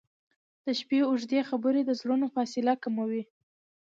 • د شپې اوږدې خبرې د زړونو فاصله کموي.